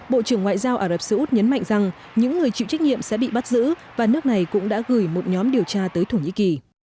bộ trưởng ngoại giao ả rập xê út nhấn mạnh rằng những người chịu trách nhiệm sẽ bị bắt giữ và nước này cũng đã gửi một nhóm điều tra tới thổ nhĩ kỳ